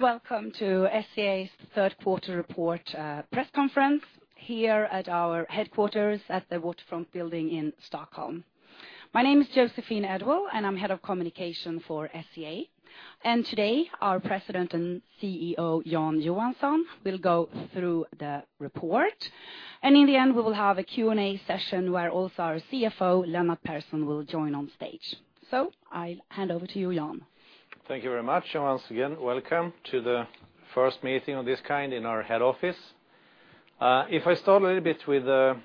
Welcome to SCA's third quarter report press conference here at our headquarters at the Waterfront building in Stockholm. My name is Joséphine Edwall, and I'm head of communication for SCA. Today, our President and CEO, Jan Johansson, will go through the report. In the end, we will have a Q&A session where also our CFO, Lennart Persson, will join on stage. I'll hand over to you, Jan. Thank you very much, and once again, welcome to the first meeting of this kind in our head office. If I start a little bit with the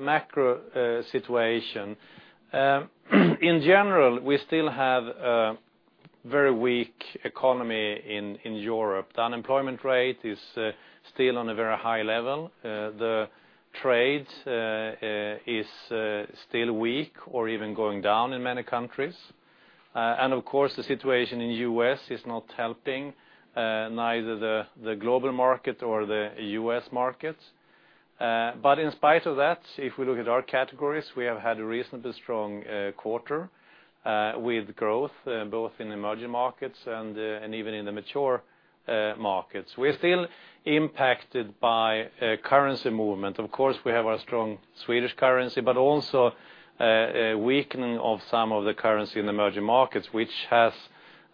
macro situation. In general, we still have a very weak economy in Europe. The unemployment rate is still on a very high level. The trade is still weak or even going down in many countries. Of course, the situation in the U.S. is not helping neither the global market or the U.S. market. In spite of that, if we look at our categories, we have had a reasonably strong quarter with growth both in emerging markets and even in the mature markets. We're still impacted by currency movement. Of course, we have our strong Swedish currency, but also a weakening of some of the currency in emerging markets, which has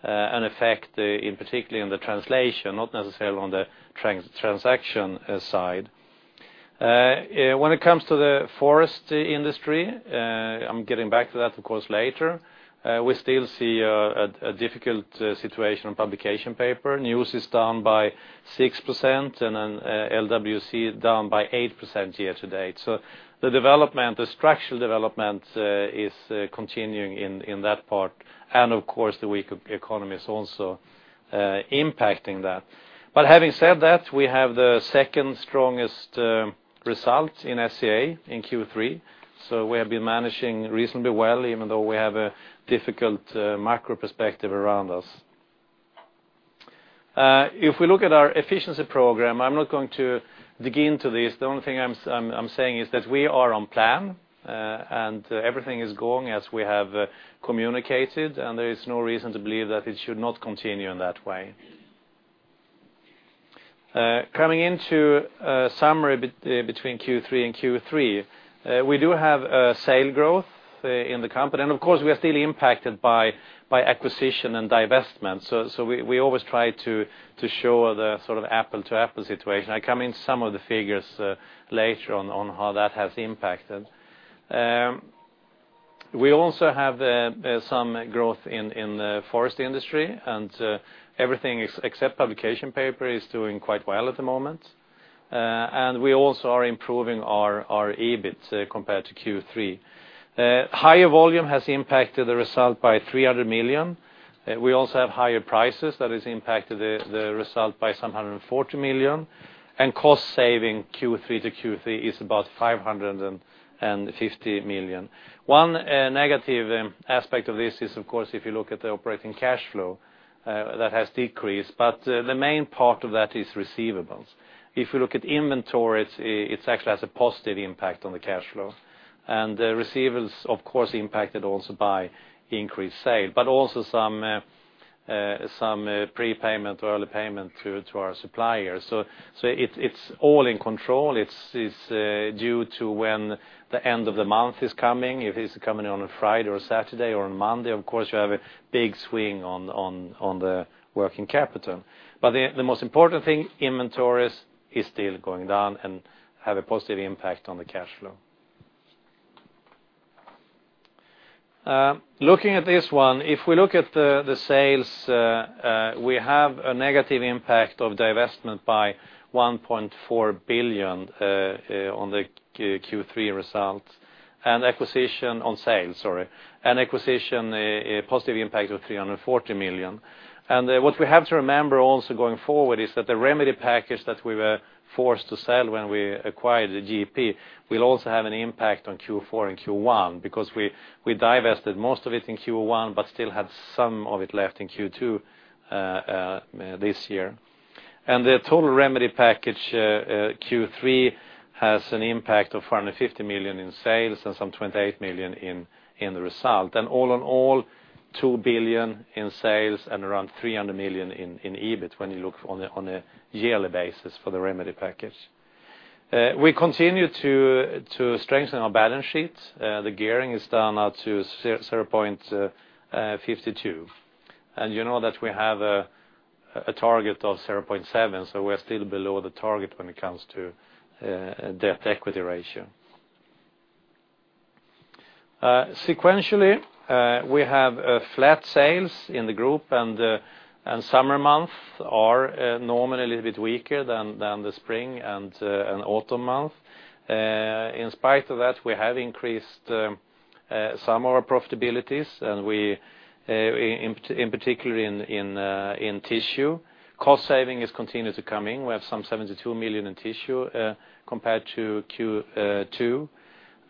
an effect particularly in the translation, not necessarily on the transaction side. When it comes to the forest industry, I'm getting back to that, of course, later. We still see a difficult situation on publication paper. Newsprint is down by 6%, LWC is down by 8% year to date. The structural development is continuing in that part, and of course, the weak economy is also impacting that. Having said that, we have the second strongest result in SCA in Q3, we have been managing reasonably well, even though we have a difficult macro perspective around us. If we look at our efficiency program, I'm not going to dig into this. The only thing I'm saying is that we are on plan, and everything is going as we have communicated, and there is no reason to believe that it should not continue in that way. Coming into summary between Q2 and Q3, we do have sale growth in the company, and of course, we are still impacted by acquisition and divestment. We always try to show the apple-to-apple situation. I come into some of the figures later on how that has impacted. We also have some growth in the forest industry, and everything except publication paper is doing quite well at the moment. We also are improving our EBIT compared to Q2. Higher volume has impacted the result by 300 million. We also have higher prices, that has impacted the result by some 140 million, and cost saving Q3 to Q2 is about 550 million. One negative aspect of this is, of course, if you look at the operating cash flow, that has decreased, but the main part of that is receivables. If we look at inventory, it actually has a positive impact on the cash flow. Receivables, of course, impacted also by increased sale, but also some prepayment or early payment to our suppliers. It's all in control. It's due to when the end of the month is coming. If it's coming on a Friday or a Saturday or a Monday, of course, you have a big swing on the working capital. The most important thing, inventories is still going down and have a positive impact on the cash flow. Looking at this one, if we look at the sales, we have a negative impact of divestment by 1.4 billion on the Q3 result, on sales, sorry. Acquisition, a positive impact of 340 million. What we have to remember also going forward is that the remedy package that we were forced to sell when we acquired the GP will also have an impact on Q4 and Q1, because we divested most of it in Q1 but still have some of it left in Q2 this year. The total remedy package Q3 has an impact of 450 million in sales and some 28 million in the result. All in all, 2 billion in sales and around 300 million in EBIT when you look on a yearly basis for the remedy package. We continue to strengthen our balance sheet. The gearing is down now to 0.52. You know that we have a target of 0.7, so we're still below the target when it comes to debt equity ratio. Sequentially, we have flat sales in the group. Summer months are normally a little bit weaker than the spring and autumn months. In spite of that, we have increased some of our profitabilities, in particular in tissue. Cost saving is continuing to come in. We have some 72 million in tissue compared to Q2,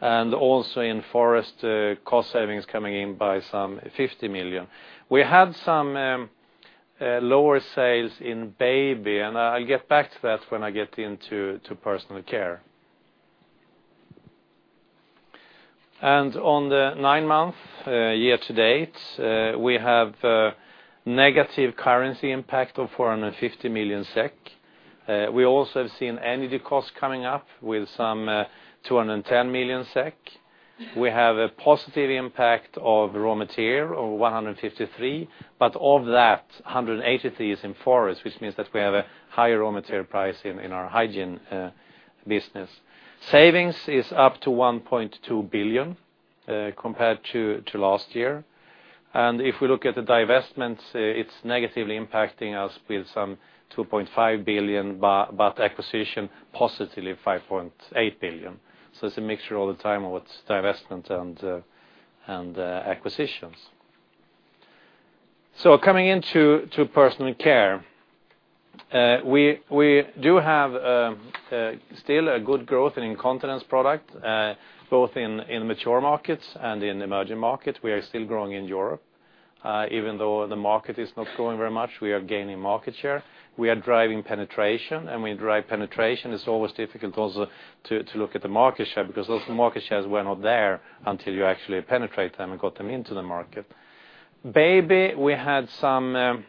also in forest, cost saving is coming in by some 50 million. We had some lower sales in baby, I'll get back to that when I get into personal care. On the nine-month year-to-date, we have negative currency impact of 450 million SEK. Also have seen energy costs coming up with some 210 million SEK. We have a positive impact of raw material of 153, but of that, 183 is in forest, which means that we have a higher raw material price in our hygiene business. Savings is up to 1.2 billion, compared to last year. If we look at the divestments, it's negatively impacting us with some 2.5 billion, but acquisition positively 5.8 billion. It's a mixture all the time with divestment and acquisitions. Coming into personal care. We do have still a good growth in incontinence product, both in mature markets and in emerging markets. We are still growing in Europe. Even though the market is not growing very much, we are gaining market share. We are driving penetration, we drive penetration, it's always difficult also to look at the market share because those market shares were not there until you actually penetrate them and got them into the market. Baby, we had some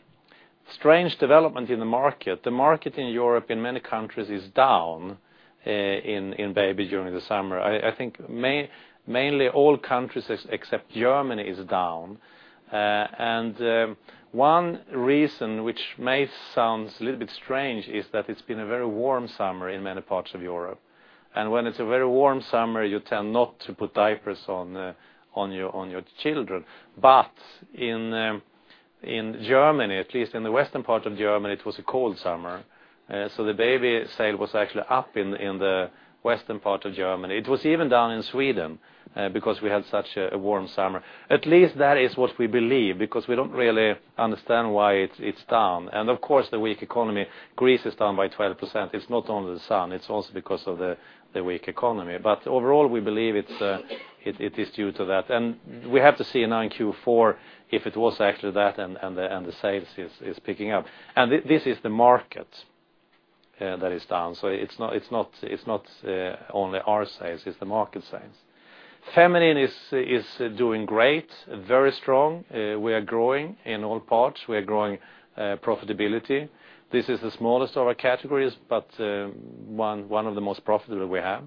strange development in the market. The market in Europe in many countries is down in baby during the summer. I think mainly all countries except Germany is down. One reason, which may sound a little bit strange, is that it's been a very warm summer in many parts of Europe. When it's a very warm summer, you tend not to put diapers on your children. In Germany, at least in the western part of Germany, it was a cold summer. The baby sale was actually up in the western part of Germany. It was even down in Sweden because we had such a warm summer. At least that is what we believe, because we don't really understand why it's down. Of course, the weak economy, Greece is down by 12%. It's not only the sun, it's also because of the weak economy. Overall, we believe it is due to that. We have to see now in Q4 if it was actually that and the sales is picking up. This is the market that is down, so it's not only our sales, it's the market sales. Feminine is doing great, very strong. We are growing in all parts. We are growing profitability. This is the smallest of our categories, but one of the most profitable we have.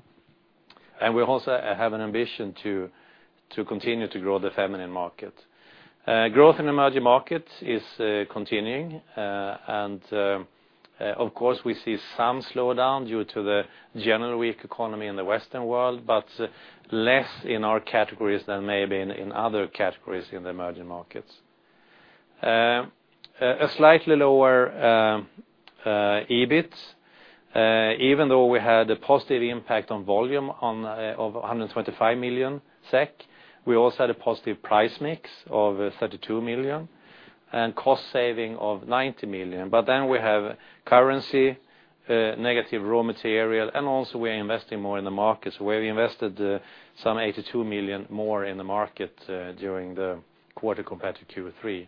We also have an ambition to continue to grow the feminine market. Growth in emerging markets is continuing. Of course, we see some slowdown due to the general weak economy in the Western world, but less in our categories than maybe in other categories in the emerging markets. A slightly lower EBIT, even though we had a positive impact on volume of 125 million SEK. We also had a positive price mix of 32 million and cost saving of 90 million. We have currency, negative raw material, and also we are investing more in the markets where we invested some 82 million more in the market during the quarter compared to Q3.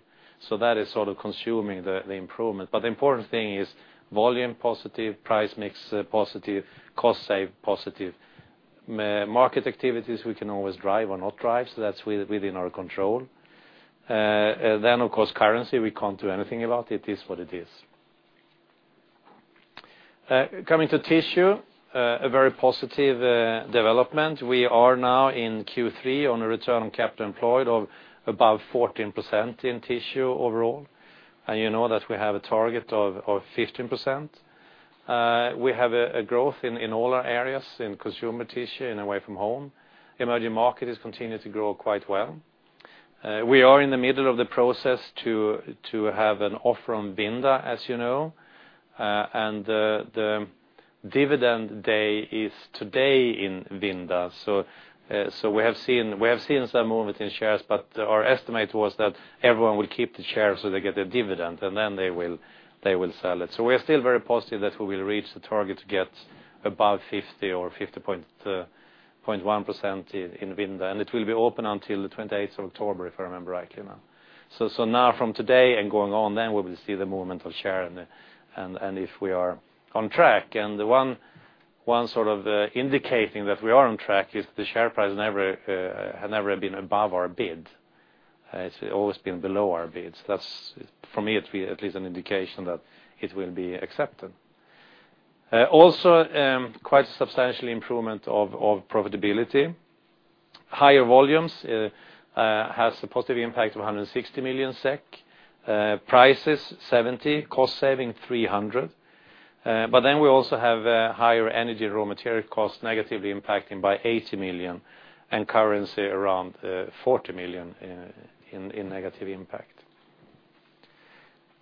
That is sort of consuming the improvement. The important thing is volume positive, price mix positive, cost save positive. Market activities we can always drive or not drive, so that's within our control. Of course, currency we can't do anything about. It is what it is. Coming to tissue, a very positive development. We are now in Q3 on a Return on Capital Employed of above 14% in tissue overall. You know that we have a target of 15%. We have a growth in all our areas, in consumer tissue and away-from-home. Emerging market is continuing to grow quite well. We are in the middle of the process to have an offer on Vinda, as you know. The dividend day is today in Vinda. We have seen some movement in shares, but our estimate was that everyone will keep the shares so they get their dividend, and then they will sell it. We are still very positive that we will reach the target to get above 50 or 50.1% in Vinda. It will be open until the 28th of October, if I remember correctly now. Now from today and going on then, we will see the movement of share and if we are on track. The one sort of indicating that we are on track is the share price had never been above our bid. It's always been below our bids. That's, for me, at least an indication that it will be accepted. Also quite a substantial improvement of profitability. Higher volumes has a positive impact of 160 million SEK. Prices 70, cost saving 300. We also have higher energy raw material costs negatively impacting by 80 million and currency around 40 million in negative impact.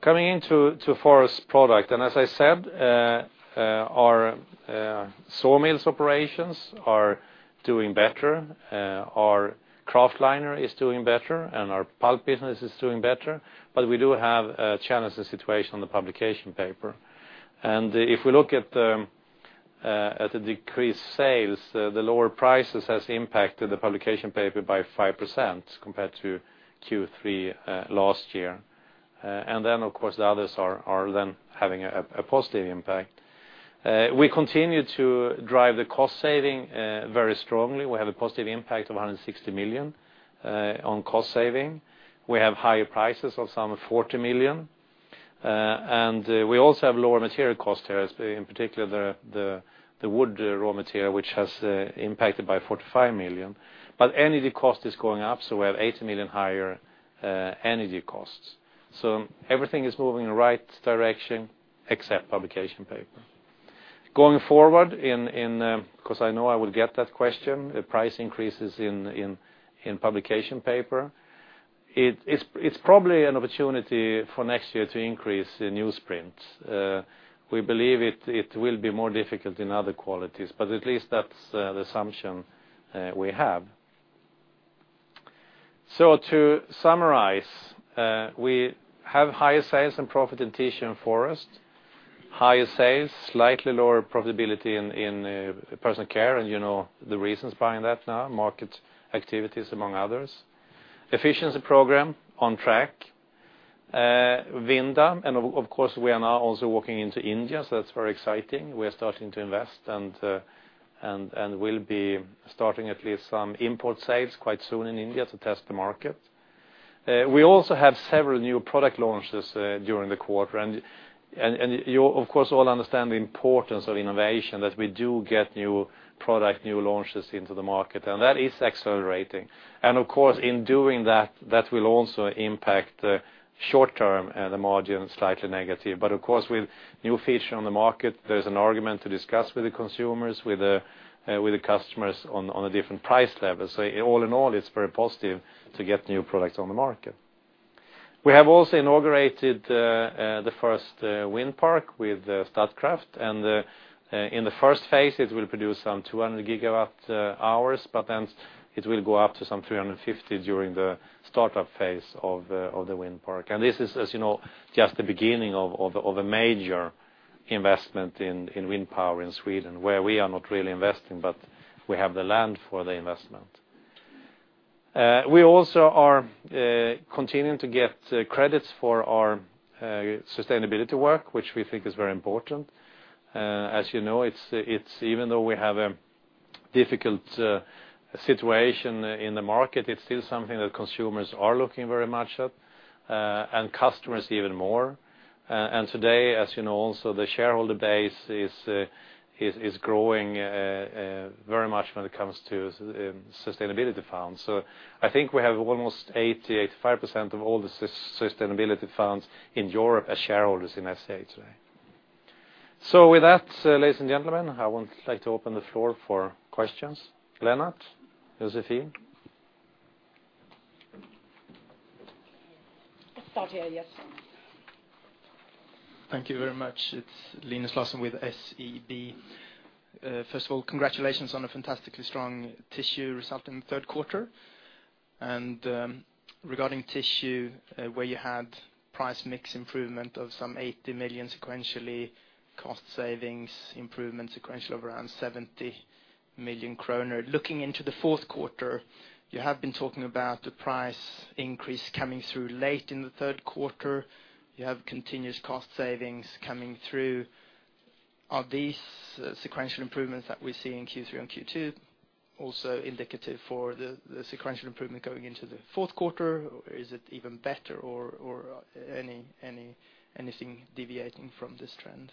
Coming into forest product, as I said, our sawmills operations are doing better. Our kraftliner is doing better, our pulp business is doing better, we do have a challenging situation on the publication paper. If we look at the decreased sales, the lower prices has impacted the publication paper by 5% compared to Q3 last year. Of course, the others are then having a positive impact. We continue to drive the cost saving very strongly. We have a positive impact of 160 million on cost saving. We have higher prices of some 40 million. We also have lower material cost here, in particular the wood raw material, which has impacted by 45 million. Energy cost is going up, we have 80 million higher energy costs. Everything is moving in the right direction, except publication paper. Going forward, because I know I will get that question, the price increases in publication paper, it's probably an opportunity for next year to increase the newsprint. We believe it will be more difficult in other qualities, at least that's the assumption we have. To summarize, we have higher sales and profit in Tissue and Forest. Higher sales, slightly lower profitability in Personal Care, and you know the reasons behind that now, market activities, among others. Efficiency program, on track. Vinda, of course, we are now also walking into India, that's very exciting. We are starting to invest and will be starting at least some import sales quite soon in India to test the market. We also have several new product launches during the quarter. You, of course, all understand the importance of innovation, that we do get new product, new launches into the market, that is accelerating. Of course, in doing that will also impact the short-term and the margin slightly negative. Of course, with new feature on the market, there's an argument to discuss with the consumers, with the customers on the different price levels. All in all, it's very positive to get new products on the market. We have also inaugurated the first wind park with Statkraft, in the first phase, it will produce some 200 gigawatt hours, it will go up to some 350 during the startup phase of the wind park. This is, as you know, just the beginning of a major investment in wind power in Sweden, where we are not really investing, we have the land for the investment. We also are continuing to get credits for our sustainability work, which we think is very important. As you know, even though we have a difficult situation in the market, it's still something that consumers are looking very much at, and customers even more. Today, as you know also, the shareholder base is growing very much when it comes to sustainability funds. I think we have almost 80%, 85% of all the sustainability funds in Europe as shareholders in SCA today. With that, ladies and gentlemen, I would like to open the floor for questions. Lennart, Joséphine? Let's start here, yes. Thank you very much. It's Linus Larsson with SEB. First of all, congratulations on a fantastically strong tissue result in the third quarter. Regarding tissue, where you had price mix improvement of some 80 million sequentially, cost savings improvement sequential of around 70 million kronor. Looking into the fourth quarter, you have been talking about the price increase coming through late in the third quarter. You have continuous cost savings coming through. Are these sequential improvements that we see in Q3 and Q2 also indicative for the sequential improvement going into the fourth quarter? Is it even better? Anything deviating from this trend?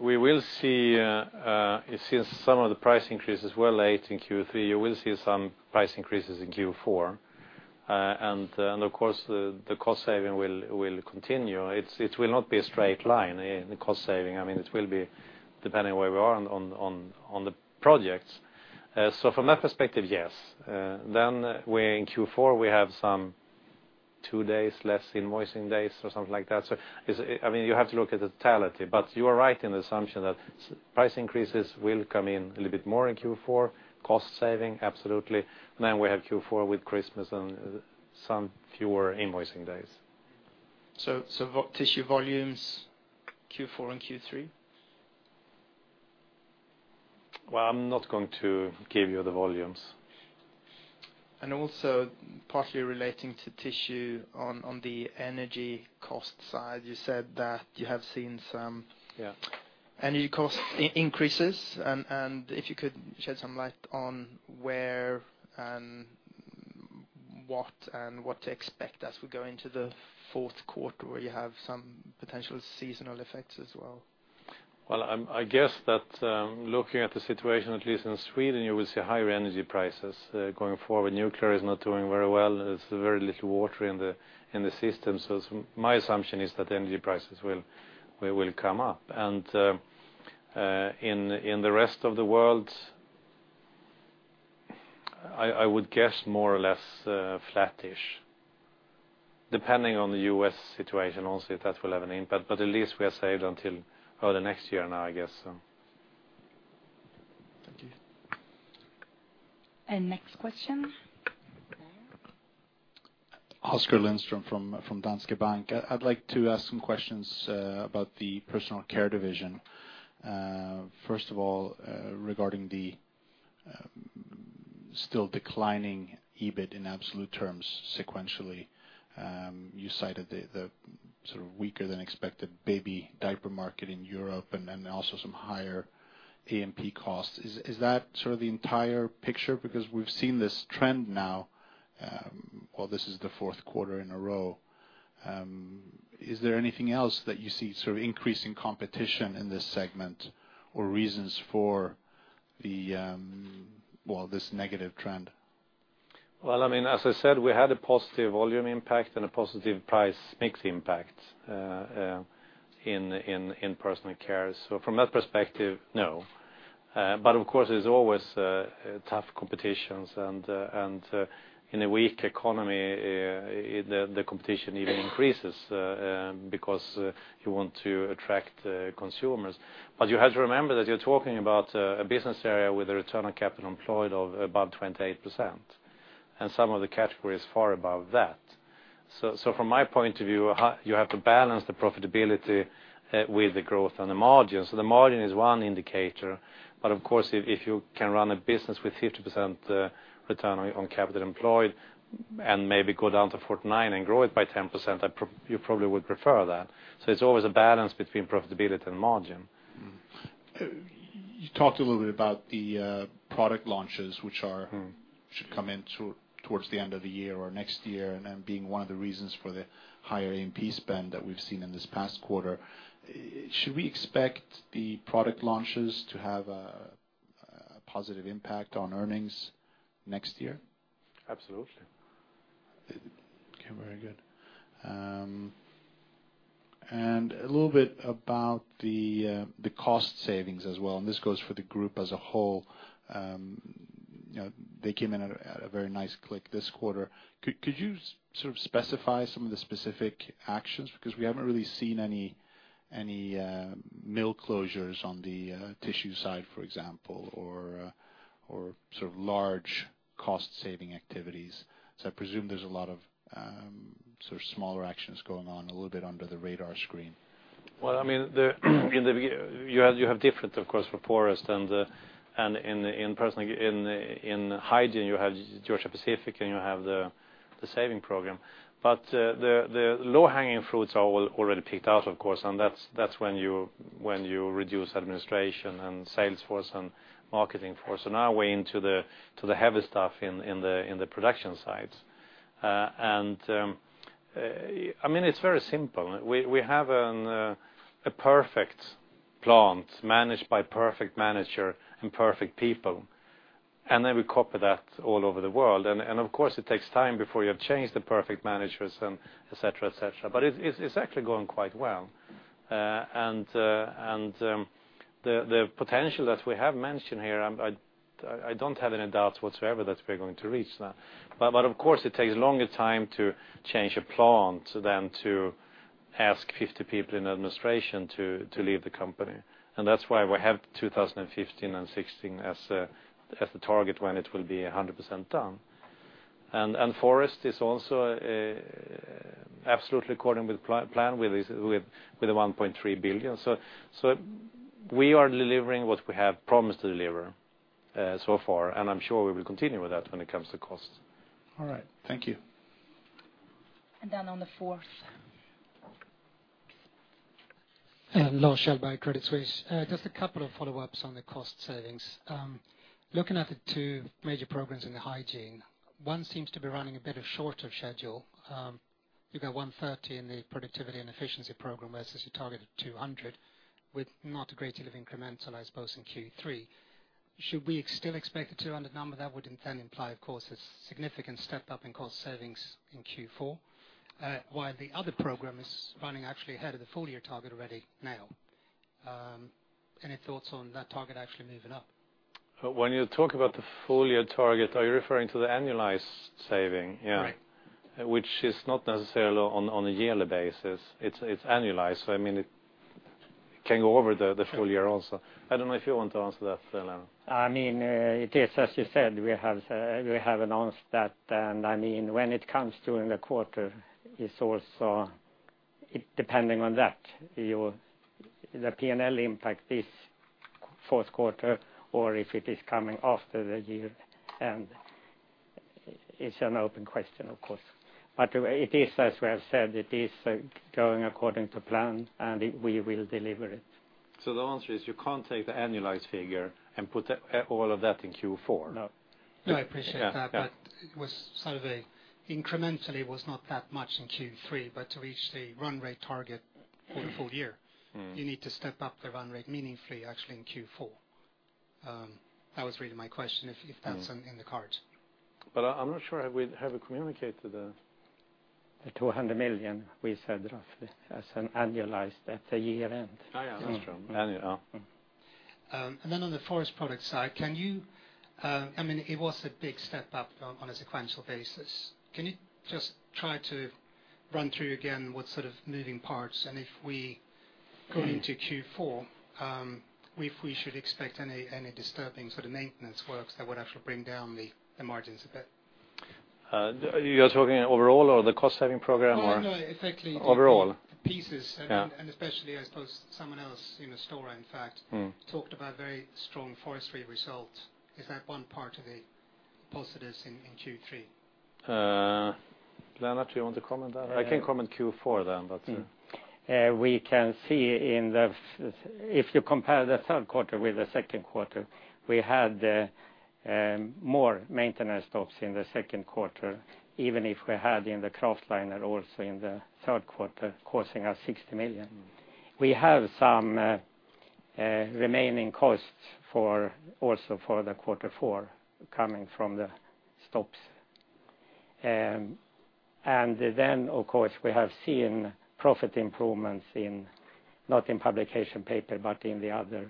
We will see some of the price increases were late in Q3. You will see some price increases in Q4. Of course, the cost saving will continue. It will not be a straight line, the cost saving. It will be depending on where we are on the projects. From that perspective, yes. In Q4, we have some two days less invoicing days or something like that. You have to look at the totality, but you are right in the assumption that price increases will come in a little bit more in Q4, cost saving, absolutely. We have Q4 with Christmas and some fewer invoicing days. tissue volumes, Q4 and Q3? I'm not going to give you the volumes. also partly relating to tissue on the energy cost side, you said that you have seen. Yeah Energy cost increases, and if you could shed some light on where and what, and what to expect as we go into the fourth quarter, where you have some potential seasonal effects as well. Well, I guess that looking at the situation, at least in Sweden, you will see higher energy prices going forward. Nuclear is not doing very well. There's very little water in the system. My assumption is that energy prices will come up. In the rest of the world, I would guess more or less flat-ish, depending on the U.S. situation also, if that will have an impact, but at least we are saved until the next year now, I guess, so. Thank you. Next question? Oskar Lindström from Danske Bank. I'd like to ask some questions about the Personal Care division. First of all, regarding the Still declining EBIT in absolute terms sequentially. You cited the weaker than expected baby diaper market in Europe, also some higher A&P costs. Is that the entire picture? We've seen this trend now, well, this is the fourth quarter in a row. Is there anything else that you see increasing competition in this segment or reasons for this negative trend? As I said, we had a positive volume impact and a positive price mix impact in personal care. From that perspective, no. Of course, there's always tough competitions, and in a weak economy, the competition even increases because you want to attract consumers. You have to remember that you're talking about a business area with a Return on Capital Employed of above 28%, and some of the categories far above that. From my point of view, you have to balance the profitability with the growth and the margin. The margin is one indicator, but of course, if you can run a business with 50% Return on Capital Employed and maybe go down to 49 and grow it by 10%, you probably would prefer that. It's always a balance between profitability and margin. You talked a little bit about the product launches, which should come in towards the end of the year or next year, and being one of the reasons for the higher A&P spend that we've seen in this past quarter. Should we expect the product launches to have a positive impact on earnings next year? Absolutely. Okay, very good. A little bit about the cost savings as well, and this goes for the group as a whole. They came in at a very nice click this quarter. Could you specify some of the specific actions? Because we haven't really seen any mill closures on the tissue side, for example, or large cost saving activities. I presume there's a lot of smaller actions going on a little bit under the radar screen. You have different, of course, for Forest and in hygiene, you have Georgia-Pacific, and you have the saving program. The low-hanging fruits are already picked out, of course, and that's when you reduce administration and sales force and marketing force. Now we're into the heavy stuff in the production sides. It's very simple. We have a perfect plant managed by perfect manager and perfect people, and then we copy that all over the world. Of course, it takes time before you have changed the perfect managers and et cetera. It's actually going quite well. The potential that we have mentioned here, I don't have any doubts whatsoever that we're going to reach that. Of course, it takes a longer time to change a plant than to ask 50 people in administration to leave the company. That's why we have 2015 and 2016 as the target when it will be 100% done. Forest is also absolutely according with plan with the 1.3 billion. We are delivering what we have promised to deliver so far, and I'm sure we will continue with that when it comes to cost. All right. Thank you. Then on the fourth. Lars Kjellberg, Credit Suisse. Just a couple of follow-ups on the cost savings. Looking at the two major programs in hygiene, one seems to be running a bit of short of schedule. You've got 130 in the productivity and efficiency program, whereas you targeted 200 with not a great deal of incremental, I suppose, in Q3. Should we still expect a 200 number? That would in then imply, of course, a significant step up in cost savings in Q4, while the other program is running actually ahead of the full-year target already now. Any thoughts on that target actually moving up? When you talk about the full-year target, are you referring to the annualized saving? Right. It's not necessarily on a yearly basis. It's annualized, it can go over the full year also. I don't know if you want to answer that, Lennart. As you said, we have announced that, and when it comes during the quarter, it's also depending on that. The P&L impact this fourth quarter or if it is coming after the year, and it's an open question, of course. As we have said, it is going according to plan, and we will deliver it. The answer is you can't take the annualized figure and put all of that in Q4. No. No, I appreciate that. Yeah. It was sort of a incrementally was not that much in Q3, but to reach the run rate target for the full year. You need to step up the run rate meaningfully, actually, in Q4. That was really my question, if that's in the cards. I'm not sure we have communicated. The 200 million we said roughly as an annualized at the year-end. Oh, yeah. That's true. On the Forest Products side, it was a big step up on a sequential basis. Can you just try to run through again what sort of moving parts, and if we go into Q4, if we should expect any disturbing sort of maintenance works that would actually bring down the margins a bit? You're talking overall or the cost-saving program? No. Overall the pieces. Yeah. Especially, I suppose, someone else in the Stora, in fact, talked about very strong forestry results. Is that one part of the positives in Q3? Lennart, do you want to comment on that? I can comment Q4 then. We can see, if you compare the third quarter with the second quarter, we had more maintenance stops in the second quarter, even if we had in the kraftliner also in the third quarter, costing us 60 million. We have some remaining costs also for the quarter four, coming from the stops. Of course, we have seen profit improvements not in publication paper, but in the other.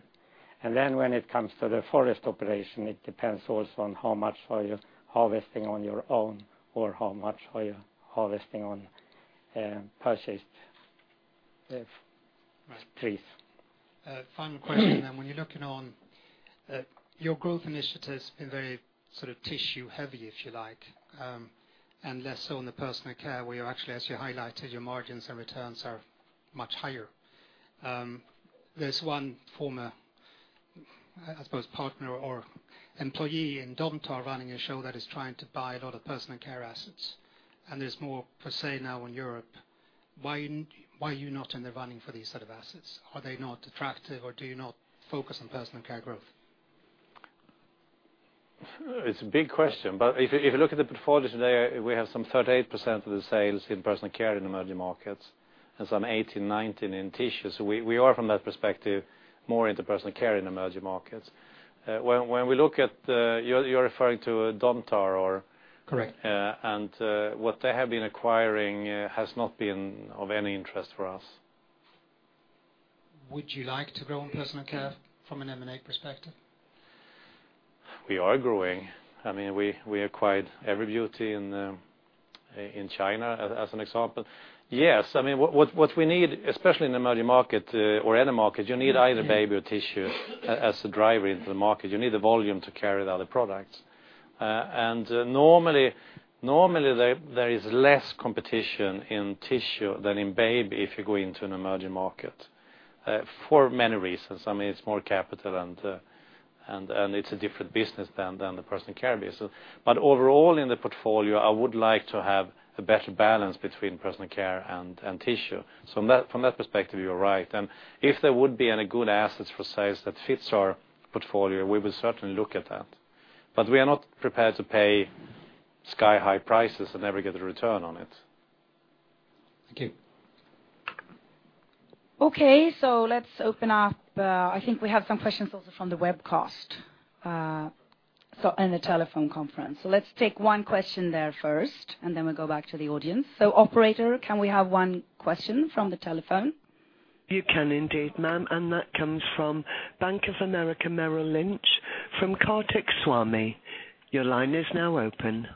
When it comes to the forest operation, it depends also on how much are you harvesting on your own, or how much are you harvesting on purchased trees. Right. Final question. When you're looking on your growth initiatives, been very tissue heavy, if you like, and less so on the personal care, where you're actually, as you highlighted, your margins and returns are much higher. There's one former, I suppose, partner or employee in Domtar running a show that is trying to buy a lot of personal care assets. There's more supply now in Europe. Why are you not in the running for these sort of assets? Are they not attractive, or do you not focus on personal care growth? It's a big question, but if you look at the portfolio today, we have some 38% of the sales in personal care in emerging markets, and some 18, 19 in tissue. We are, from that perspective, more into personal care in emerging markets. You're referring to Domtar or- Correct What they have been acquiring has not been of any interest for us. Would you like to grow in personal care from an M&A perspective? We are growing. We acquired Everbeauty in China, as an example. Yes, what we need, especially in emerging market or any market, you need either baby or tissue as a driver into the market. You need the volume to carry the other products. Normally, there is less competition in tissue than in baby if you go into an emerging market, for many reasons. It's more capital and it's a different business than the personal care business. Overall in the portfolio, I would like to have a better balance between personal care and tissue. From that perspective, you're right. If there would be any good assets for sales that fits our portfolio, we will certainly look at that. We are not prepared to pay sky-high prices and never get a return on it. Thank you. Okay, let's open up. I think we have some questions also from the webcast, in the telephone conference. Let's take one question there first, and then we'll go back to the audience. Operator, can we have one question from the telephone? You can indeed, ma'am. That comes from Bank of America Merrill Lynch, from Karthik Swamy. Your line is now open.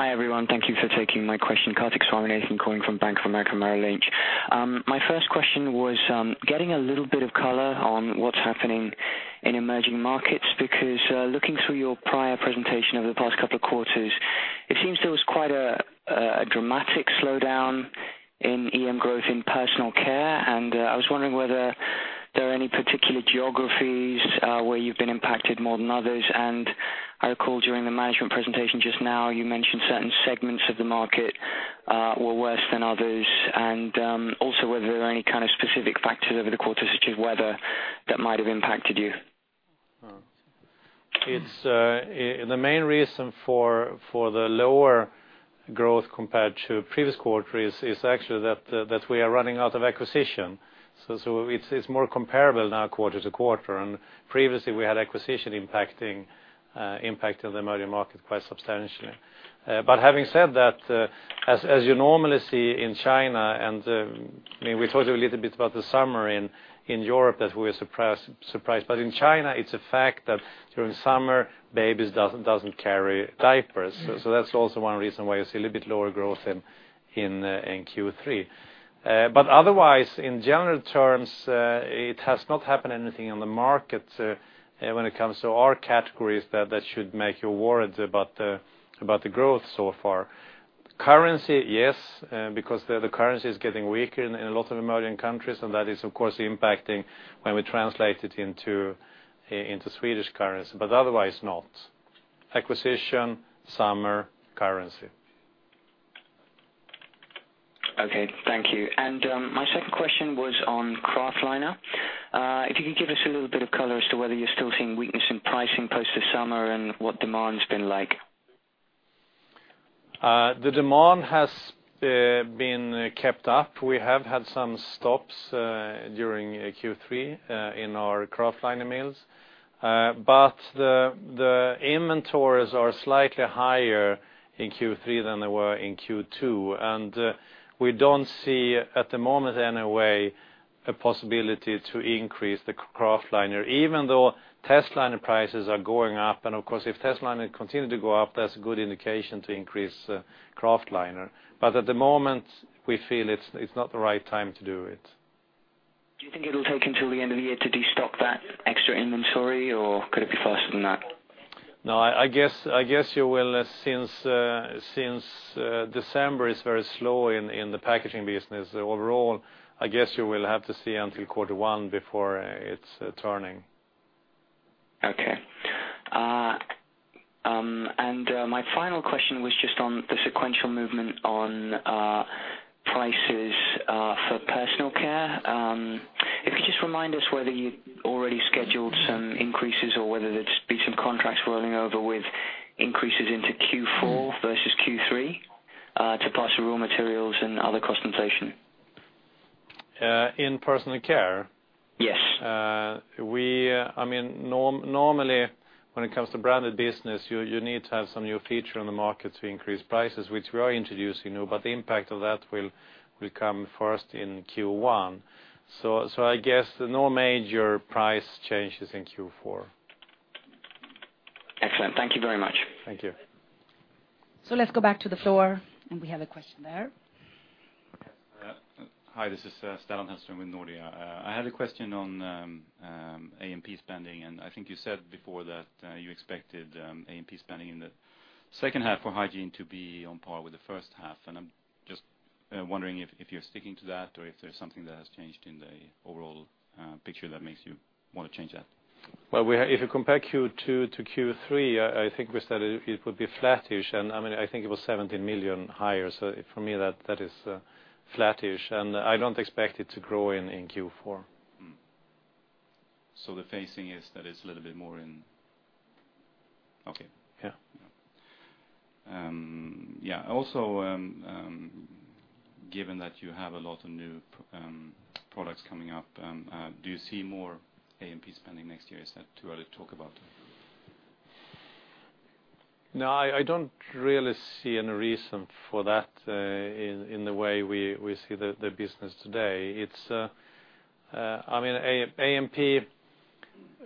Hi, everyone. Thank you for taking my question. Karthik Swamy, Nathan calling from Bank of America Merrill Lynch. My first question was getting a little bit of color on what's happening in emerging markets. Looking through your prior presentation over the past couple of quarters, it seems there was quite a dramatic slowdown in EM growth in personal care. I was wondering whether there are any particular geographies where you've been impacted more than others. I recall during the management presentation just now, you mentioned certain segments of the market were worse than others. Also whether there are any kind of specific factors over the quarter, such as weather, that might have impacted you. The main reason for the lower growth compared to previous quarter is actually that we are running out of acquisition. It's more comparable now quarter to quarter. Previously we had acquisition impacting the emerging market quite substantially. Having said that, as you normally see in China, we told you a little bit about the summer in Europe that we were surprised. In China, it's a fact that during summer, babies doesn't carry diapers. That's also one reason why you see a little bit lower growth in Q3. Otherwise, in general terms, it has not happened anything on the market when it comes to our categories that should make you worried about the growth so far. Currency, yes. The currency is getting weaker in a lot of emerging countries, and that is, of course, impacting when we translate it into Swedish currency, but otherwise not. Acquisition, summer, currency. Okay. Thank you. My second question was on kraftliner. If you could give us a little bit of color as to whether you're still seeing weakness in pricing post this summer and what demand's been like. The demand has been kept up. We have had some stops during Q3 in our kraftliner mills. The inventories are slightly higher in Q3 than they were in Q2, and we don't see at the moment, anyway, a possibility to increase the kraftliner, even though testliner prices are going up. Of course, if testliner continue to go up, that's a good indication to increase kraftliner. At the moment, we feel it's not the right time to do it. Do you think it'll take until the end of the year to destock that extra inventory, or could it be faster than that? No, I guess you will, since December is very slow in the packaging business overall, I guess you will have to see until quarter one before it's turning. Okay. My final question was just on the sequential movement on prices for personal care. If you just remind us whether you'd already scheduled some increases or whether it's been some contracts rolling over with increases into Q4 versus Q3 to pass the raw materials and other cost inflation. In personal care? Yes. Normally, when it comes to branded business, you need to have some new feature in the market to increase prices, which we are introducing, but the impact of that will come first in Q1. I guess no major price changes in Q4. Excellent. Thank you very much. Thank you. Let's go back to the floor, and we have a question there. Hi, this is Stellan Hellström with Nordea. I had a question on A&P spending, I think you said before that you expected A&P spending in the second half for hygiene to be on par with the first half, I'm just wondering if you're sticking to that or if there's something that has changed in the overall picture that makes you want to change that? Well, if you compare Q2 to Q3, I think we said it would be flattish and I think it was 17 million higher. For me that is flattish, and I don't expect it to grow in Q4. The pacing is that it's a little bit more in UK. Yeah. Yeah. Given that you have a lot of new products coming up, do you see more A&P spending next year? Is that too early to talk about? No, I don't really see any reason for that in the way we see the business today. A&P,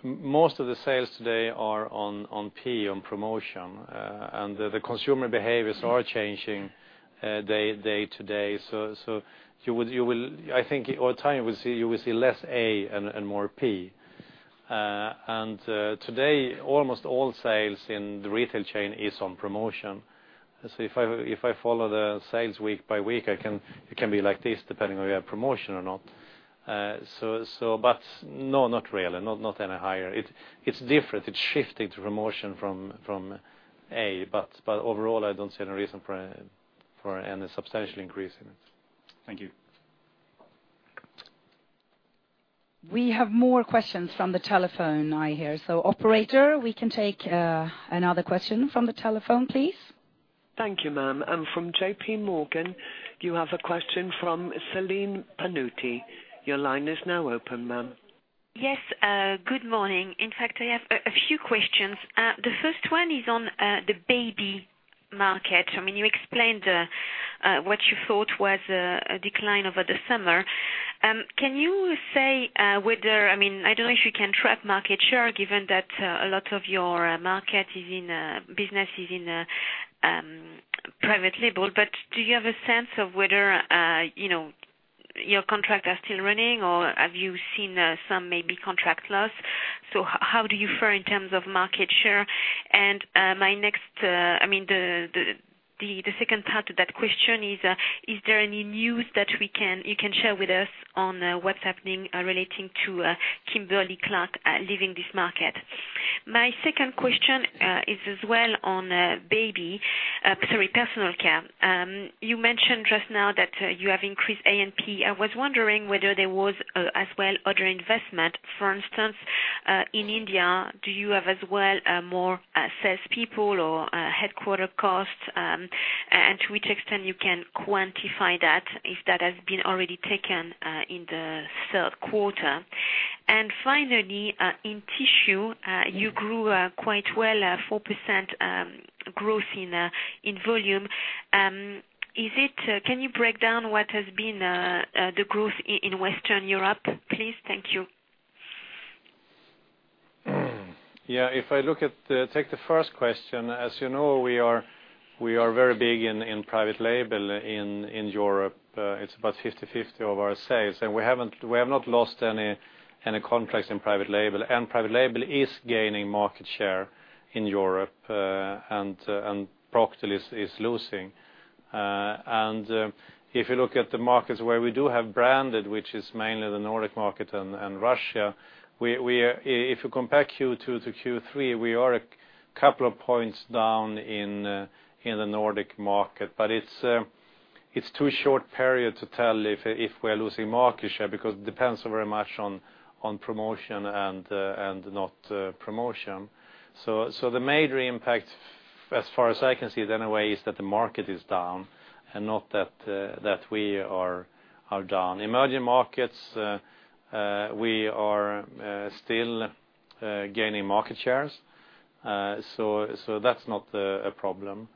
most of the sales today are on P, on promotion, and the consumer behaviors are changing day to day. I think over time you will see less A and more P. Today, almost all sales in the retail chain is on promotion. If I follow the sales week by week, it can be like this depending on your promotion or not. No, not really. Not any higher. It's different. It's shifting to promotion from A. Overall, I don't see any reason for any substantial increase in it. Thank you. We have more questions from the telephone, I hear. Operator, we can take another question from the telephone, please. Thank you, ma'am. From J.P. Morgan, you have a question from Celine Pannuti. Your line is now open, ma'am. Yes, good morning. In fact, I have a few questions. The first one is on the baby market. You explained what you thought was a decline over the summer. Can you say whether I don't know if you can track market share given that a lot of your market business is in private label, but do you have a sense of whether your contracts are still running or have you seen some maybe contract loss? How do you fare in terms of market share? The second part of that question is there any news that you can share with us on what's happening relating to Kimberly-Clark leaving this market? My second question is as well on baby, sorry, personal care. You mentioned just now that you have increased A&P. I was wondering whether there was as well other investment. For instance, in India, do you have as well more salespeople or headquarter costs? To which extent you can quantify that, if that has been already taken in the third quarter? Finally, in tissue, you grew quite well at 4% growth in volume. Can you break down what has been the growth in Western Europe, please? Thank you. Yeah, if I take the first question, as you know, we are very big in private label in Europe. It's about 50/50 of our sales, and we have not lost any contracts in private label, and private label is gaining market share in Europe, and Procter is losing. If you look at the markets where we do have branded, which is mainly the Nordic market and Russia, if you compare Q2 to Q3, we are a couple of points down in the Nordic market. It's too short period to tell if we're losing market share because it depends very much on promotion and not promotion. The major impact, as far as I can see anyway, is that the market is down and not that we are down. Emerging markets, we are still gaining market shares. That's not a problem.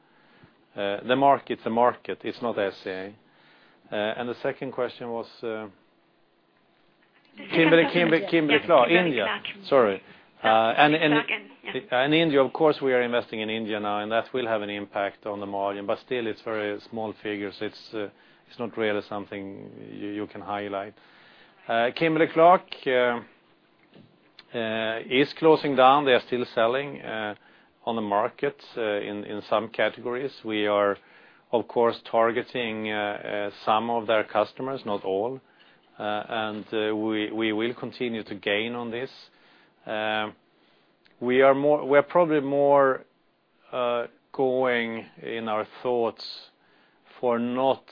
The market's a market. It's not SCA. The second question was Kimberly-Clark. Kimberly-Clark. In India. Sorry. India, of course, we are investing in India now, and that will have an impact on the margin. Still, it's very small figures. It's not really something you can highlight. Kimberly-Clark is closing down. They are still selling on the market in some categories. We are, of course, targeting some of their customers, not all. We will continue to gain on this. We're probably more going in our thoughts for not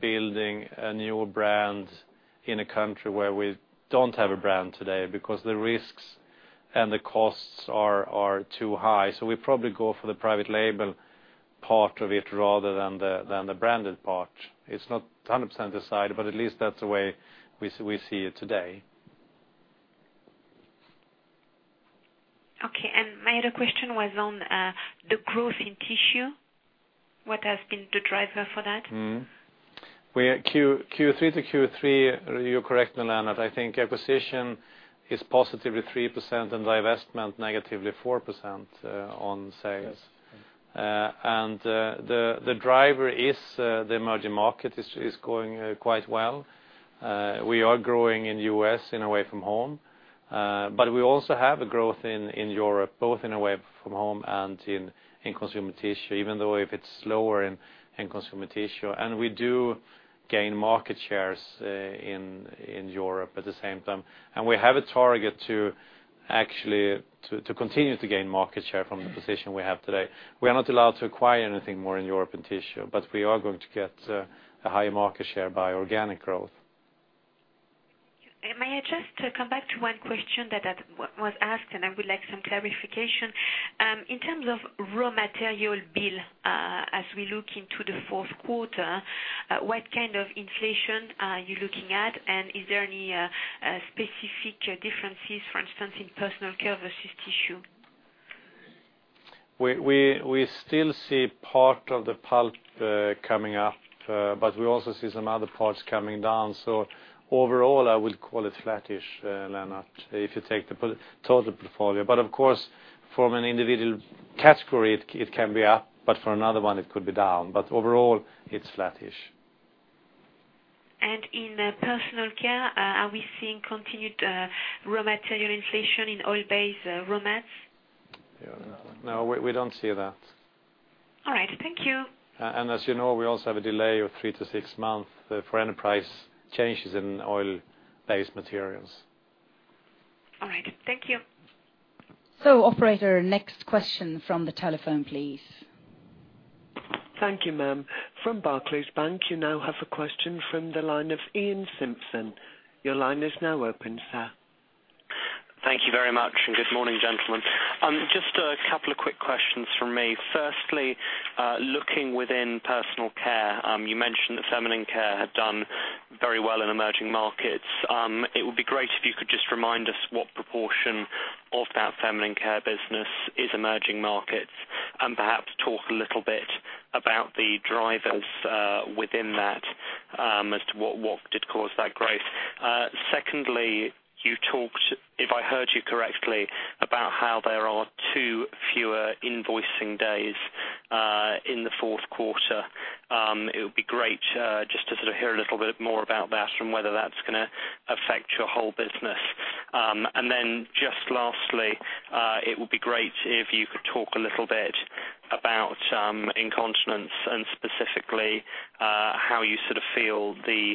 building a newer brand in a country where we don't have a brand today, because the risks and the costs are too high. We probably go for the private label part of it rather than the branded part. It's not 100% decided, but at least that's the way we see it today. Okay. My other question was on the growth in tissue. What has been the driver for that? Q3 to Q3, you're correct, Lennart. I think acquisition is positively 3% and divestment negatively 4% on sales. The driver is the emerging market is growing quite well. We are growing in U.S. in away from home. We also have a growth in Europe, both in away from home and in consumer tissue, even though if it's slower in consumer tissue. We do gain market shares in Europe at the same time. We have a target to actually continue to gain market share from the position we have today. We are not allowed to acquire anything more in Europe in tissue, but we are going to get a higher market share by organic growth. May I just come back to one question that was asked, I would like some clarification. In terms of raw material bill, as we look into the fourth quarter, what kind of inflation are you looking at? Is there any specific differences, for instance, in personal care versus tissue? We still see part of the pulp coming up, we also see some other parts coming down. Overall, I would call it flattish, Lennart, if you take the total portfolio. Of course, from an individual category, it can be up, for another one it could be down. Overall, it's flattish. In personal care, are we seeing continued raw material inflation in oil-based raw materials. No, we don't see that. All right. Thank you. As you know, we also have a delay of three to six months for any price changes in oil-based materials. All right. Thank you. Operator, next question from the telephone, please. Thank you, ma'am. From Barclays Bank, you now have a question from the line of Iain Simpson. Your line is now open, sir. Thank you very much, good morning, gentlemen. Just a couple of quick questions from me. Firstly, looking within personal care, you mentioned that feminine care had done very well in emerging markets. It would be great if you could just remind us what proportion of that feminine care business is emerging markets, and perhaps talk a little bit about the drivers within that as to what did cause that growth. Secondly, you talked, if I heard you correctly, about how there are two fewer invoicing days in the fourth quarter. It would be great just to sort of hear a little bit more about that and whether that's going to affect your whole business. Then just lastly, it would be great if you could talk a little bit about incontinence and specifically, how you sort of feel the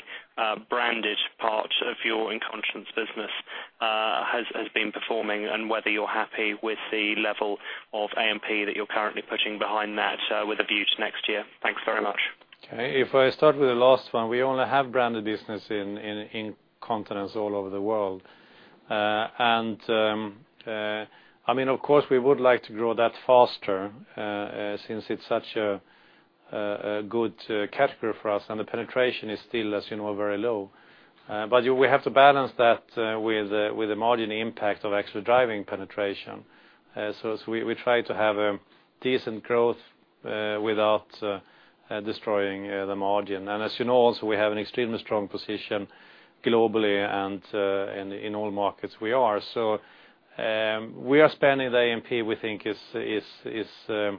branded part of your incontinence business has been performing and whether you're happy with the level of A&P that you're currently putting behind that with a view to next year. Thanks very much. Okay. If I start with the last one, we only have branded business in incontinence all over the world. Of course, we would like to grow that faster, since it's such a good category for us, and the penetration is still, as you know, very low. We have to balance that with the margin impact of actually driving penetration. We try to have a decent growth without destroying the margin. As you know also, we have an extremely strong position globally and in all markets we are. We are spending the A&P we think is the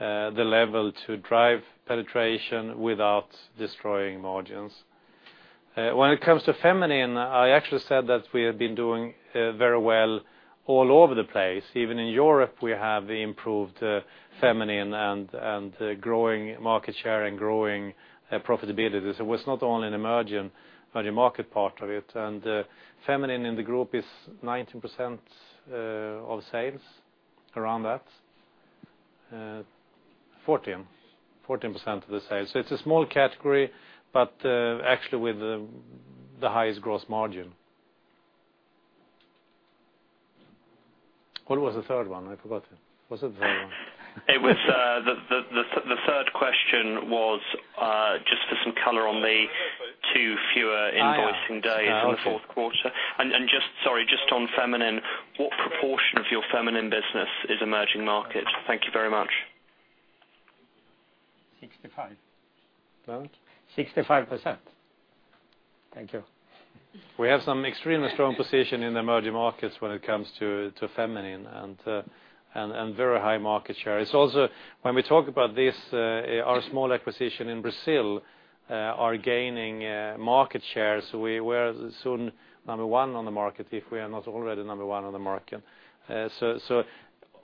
level to drive penetration without destroying margins. When it comes to feminine, I actually said that we have been doing very well all over the place. Even in Europe, we have improved feminine and growing market share and growing profitability. It's not only in emerging market part of it, and feminine in the group is 19% of sales, around that. 14% of the sales. It's a small category, but actually with the highest gross margin. What was the third one? I forgot it. What's the third one? The third question was just for some color on the two fewer invoicing days in the fourth quarter. I see. Sorry, just on feminine, what proportion of your feminine business is emerging market? Thank you very much. 65. Lennart? 65%. Thank you. We have some extremely strong position in the emerging markets when it comes to feminine, and very high market share. It's also when we talk about this, our small acquisition in Brazil are gaining market share, so we will soon be number 1 on the market, if we are not already number 1 on the market.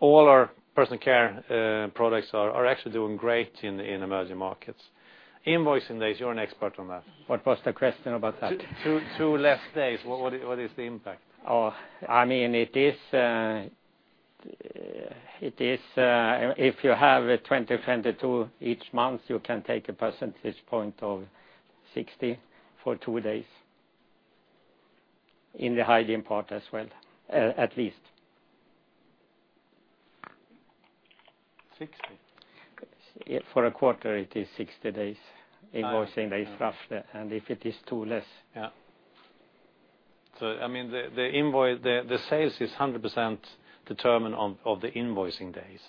All our personal care products are actually doing great in emerging markets. Invoicing days, you're an expert on that. What was the question about that? Two less days. What is the impact? If you have EUR 1,200 a ton, you can take a pulp price lag of 60 to 90 days in the hygiene part as well, at least. 60? For a quarter, it is 60 days, invoicing days, roughly. If it is two less. The sales is 100% determined of the invoicing days.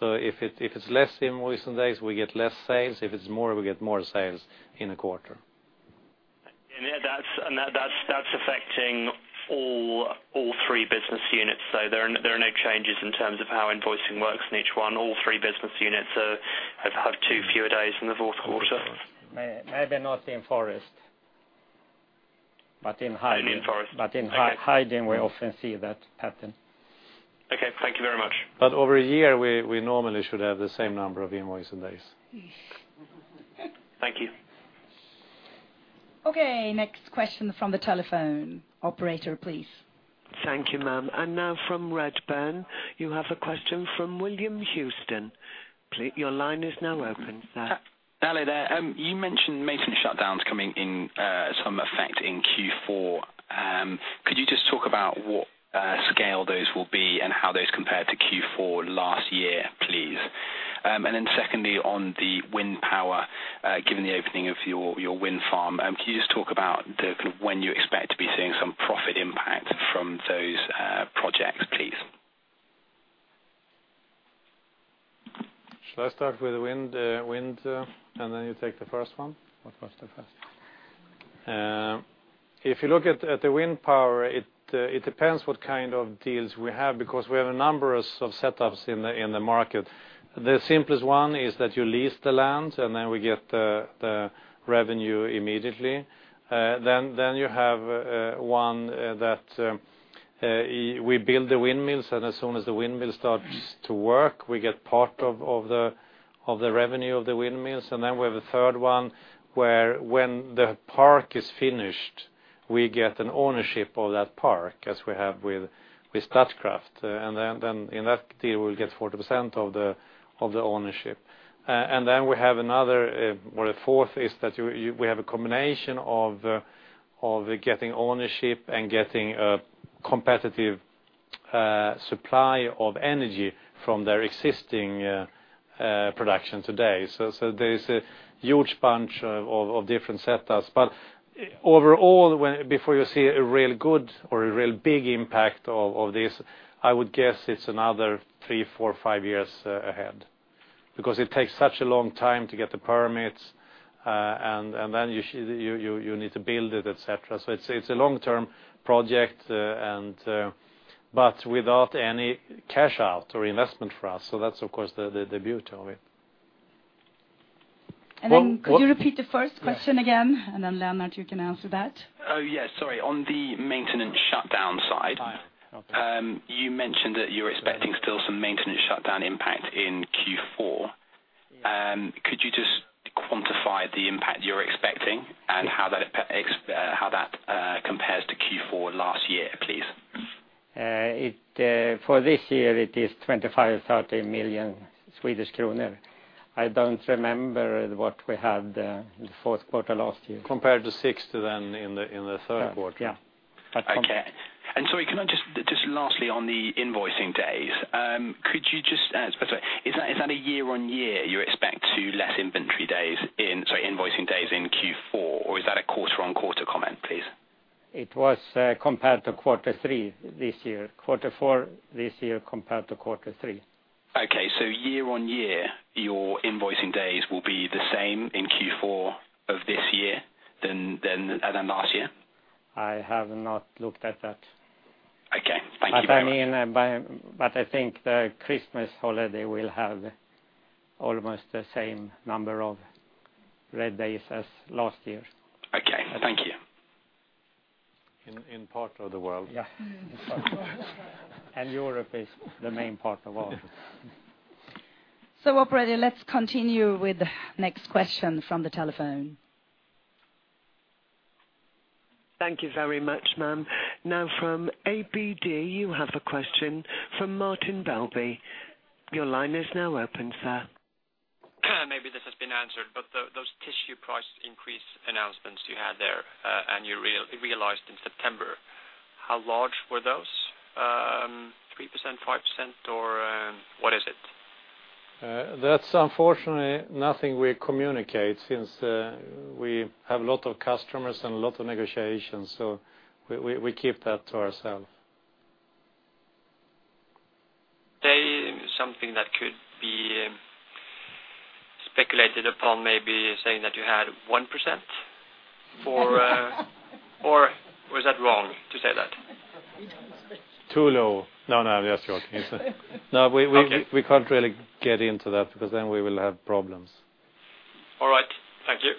If it's less invoicing days, we get less sales. If it's more, we get more sales in a quarter. That's affecting all three business units, so there are no changes in terms of how invoicing works in each one. All three business units have had two fewer days in the fourth quarter. Maybe not in forest, but in hygiene. Not in forest In hygiene, we often see that happen. Okay. Thank you very much. Over a year, we normally should have the same number of invoicing days. Thank you. Okay, next question from the telephone. Operator, please. Thank you, ma'am. Now from Redburn, you have a question from William Houston. Your line is now open, sir. Hello there. You mentioned maintenance shutdowns coming in some effect in Q4. Could you just talk about what scale those will be, and how those compare to Q4 last year, please? Secondly, on the wind power, given the opening of your wind farm, can you just talk about when you expect to be seeing some profit impact from those projects, please? Should I start with wind, and then you take the first one? Was it the first? If you look at the wind power, it depends what kind of deals we have, because we have a number of setups in the market. The simplest one is that you lease the land, and then we get the revenue immediately. You have one that we build the windmills, and as soon as the windmill starts to work, we get part of the revenue of the windmills. We have a third one where when the park is finished, we get an ownership of that park, as we have with Statkraft. In that deal, we'll get 40% of the ownership. We have another, well, the fourth is that we have a combination of getting ownership and getting a competitive supply of energy from their existing production today. There's a huge bunch of different setups. Overall, before you see a real good or a real big impact of this, I would guess it's another three, four, five years ahead, because it takes such a long time to get the permits, and then you need to build it, et cetera. It's a long-term project, but without any cash out or investment for us. That's, of course, the beauty of it. Could you repeat the first question again? Lennart, you can answer that. Yes. Sorry. On the maintenance shutdown side. Yeah, okay. You mentioned that you're expecting still some maintenance shutdown impact in Q4. Yes. Could you just quantify the impact you're expecting, and how that compares to Q4 last year, please? For this year, it is 25 million-30 million Swedish kronor. I don't remember what we had in the fourth quarter last year. Compared to 60 million in the third quarter. Yeah. Okay. Sorry, can I just lastly on the invoicing days? I'm sorry, is that a year-over-year you expect two less invoicing days in Q4, or is that a quarter-over-quarter comment, please? It was compared to quarter three this year. Quarter four this year compared to quarter three. Okay. Year-over-year, your invoicing days will be the same in Q4 of this year than last year? I have not looked at that. Okay. Thank you very much. I think the Christmas holiday, we'll have almost the same number of red days as last year. Okay. Thank you. In part of the world. Yeah. Europe is the main part of all. operator, let's continue with the next question from the telephone. Thank you very much, ma'am. from ABG, you have a question from Martin Melbye. Your line is now open, sir. Maybe this has been answered, but those tissue price increase announcements you had there, and you realized in September, how large were those? 3%, 5%, or what is it? That's unfortunately nothing we communicate since we have a lot of customers and a lot of negotiations, so we keep that to ourself. Say something that could be speculated upon, maybe saying that you had 1%? Was that wrong to say that? Too low. No, just joking. Okay. No, we can't really get into that, because then we will have problems. All right. Thank you.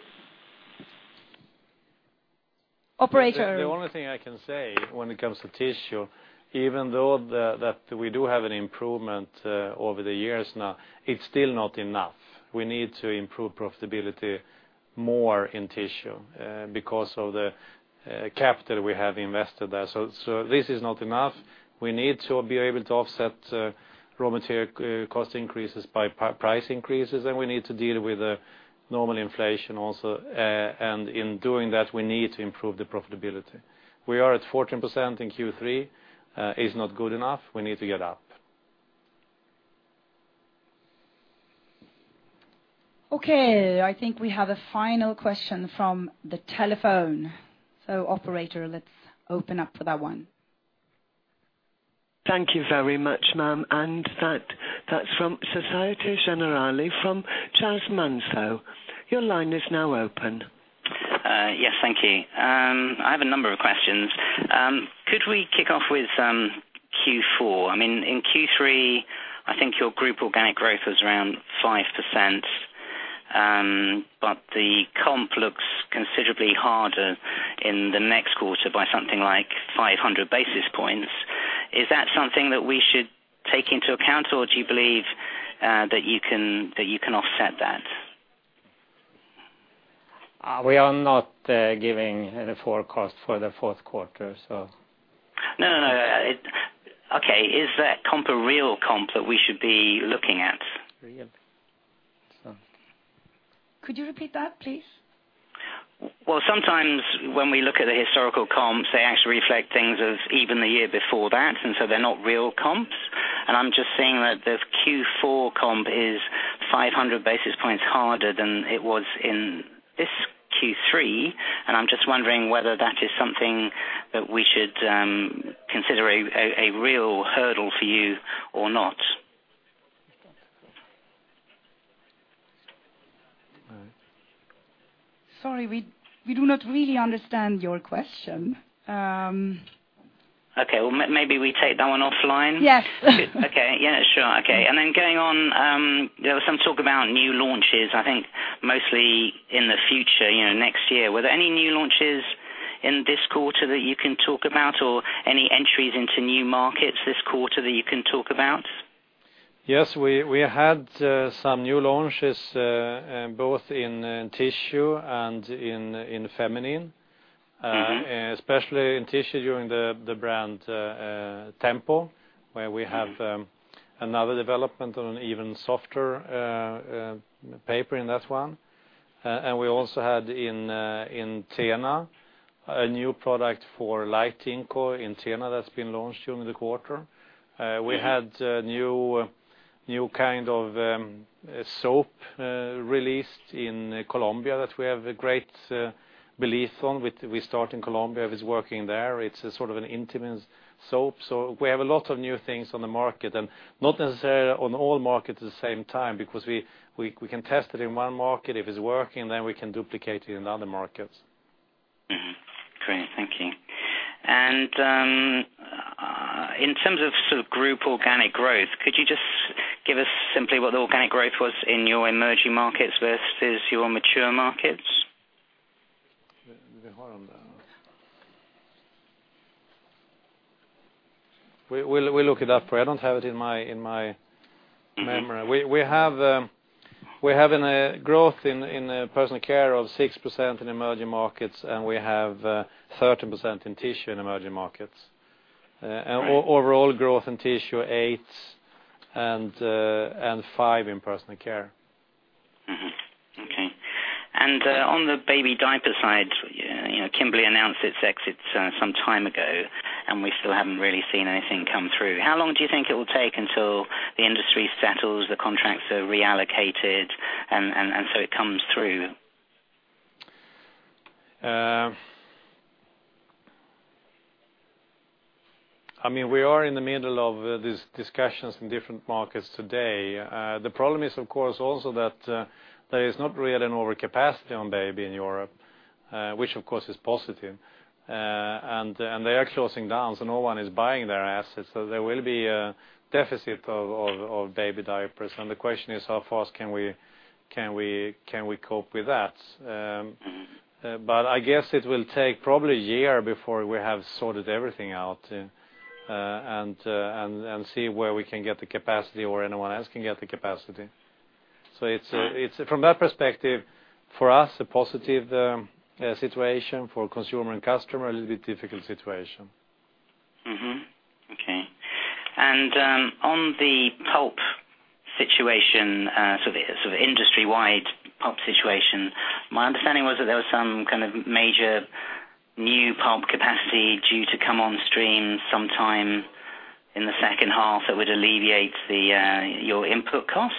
The only thing I can say when it comes to tissue, even though that we do have an improvement over the years now, it is still not enough. We need to improve profitability more in tissue because of the capital we have invested there. This is not enough. We need to be able to offset raw material cost increases by price increases, and we need to deal with normal inflation also. In doing that, we need to improve the profitability. We are at 14% in Q3. It is not good enough. We need to get up. Okay, I think we have a final question from the telephone. Operator, let's open up for that one. Thank you very much, ma'am, and that's from Société Générale, from Charlie Muir-Sands. Your line is now open. Yes, thank you. I have a number of questions. Could we kick off with Q4? In Q3, I think your group organic growth was around 5%, but the comp looks considerably harder in the next quarter by something like 500 basis points. Is that something that we should take into account, or do you believe that you can offset that? We are not giving the forecast for the fourth quarter. No. Okay. Is that comp a real comp that we should be looking at? Real. Could you repeat that, please? Well, sometimes when we look at the historical comps, they actually reflect things of even the year before that, and so they're not real comps. I'm just seeing that the Q4 comp is 500 basis points harder than it was in this Q3. I'm just wondering whether that is something that we should consider a real hurdle for you or not. Sorry, we do not really understand your question. Okay. Well maybe we take that one offline. Yes. Okay. Yeah, sure. Okay. Then going on, there was some talk about new launches, I think mostly in the future, next year. Were there any new launches in this quarter that you can talk about, or any entries into new markets this quarter that you can talk about? Yes, we had some new launches, both in tissue and in feminine. Especially in tissue during the brand Tempo, where we have another development on an even softer paper in that one. We also had in TENA, a new product for light incontinence in TENA that's been launched during the quarter. We had a new kind of soap released in Colombia that we have a great belief on. We start in Colombia, if it's working there. It's a sort of an intimate soap. We have a lot of new things on the market, and not necessarily on all markets at the same time, because we can test it in one market. If it's working, then we can duplicate it in other markets. Great, thank you. In terms of group organic growth, could you just give us simply what the organic growth was in your emerging markets versus your mature markets? We look it up. I don't have it in my memory. We're having a growth in personal care of 6% in emerging markets, we have 30% in tissue in emerging markets. Right. Overall growth in tissue are 8% and 5% in personal care. Okay. On the baby diaper side, Kimberly announced its exits some time ago. We still haven't really seen anything come through. How long do you think it will take until the industry settles, the contracts are reallocated, and so it comes through? We are in the middle of these discussions in different markets today. The problem is, of course, also that there is not really an overcapacity on baby in Europe. Which of course is positive. They are closing down, so no one is buying their assets. There will be a deficit of baby diapers. The question is, how fast can we cope with that? I guess it will take probably a year before we have sorted everything out, and see where we can get the capacity or anyone else can get the capacity. From that perspective, for us, a positive situation. For consumer and customer, a little bit difficult situation. Mm-hmm. Okay. On the pulp situation, so the industry-wide pulp situation. My understanding was that there was some kind of major new pulp capacity due to come on stream sometime in the second half that would alleviate your input costs.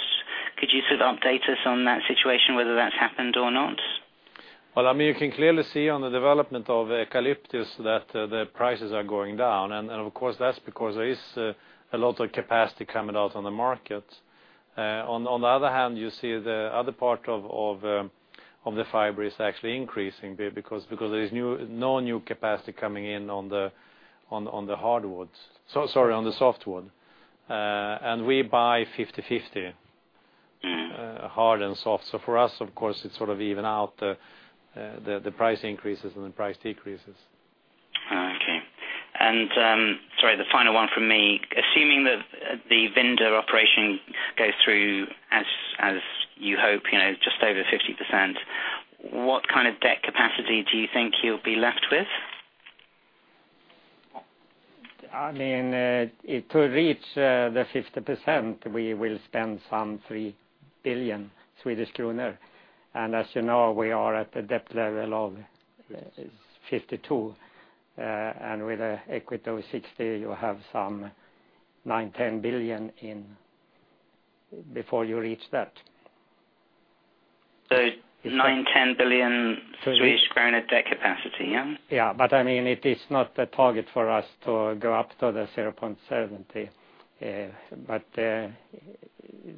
Could you sort of update us on that situation, whether that's happened or not? Well, you can clearly see on the development of eucalyptus that the prices are going down. Of course, that's because there is a lot of capacity coming out on the market. On the other hand, you see the other part of the fiber is actually increasing because there is no new capacity coming in on the softwood. We buy 50/50, hard and soft. For us, of course, it sort of even out the price increases and the price decreases. Okay. Sorry, the final one from me. Assuming that the Vinda operation goes through as you hope, just over 50%, what kind of debt capacity do you think you'll be left with? To reach the 50%, we will spend some 3 billion Swedish kronor. As you know, we are at the debt level of 52. With an equity of 60, you have some 9 billion-10 billion SEK before you reach that. 9, 10 billion SEK debt capacity, yeah? It is not the target for us to go up to the 0.70.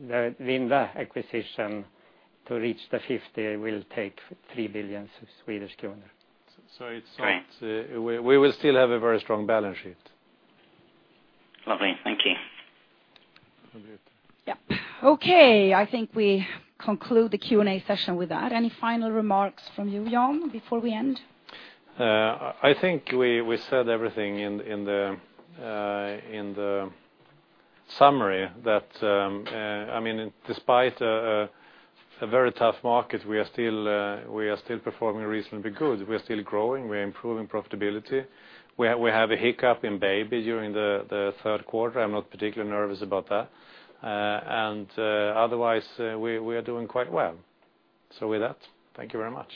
The Vinda acquisition to reach the 50 will take 3 billion Swedish kronor. We will still have a very strong balance sheet. Lovely. Thank you. Okay. Yeah. Okay. I think we conclude the Q&A session with that. Any final remarks from you, Jan, before we end? I think we said everything in the summary that despite a very tough market, we are still performing reasonably good. We're still growing. We're improving profitability. We have a hiccup in baby during the third quarter. I'm not particularly nervous about that. Otherwise, we are doing quite well. With that, thank you very much.